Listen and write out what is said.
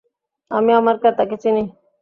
আমি আমার ক্রেতাকে চিনি।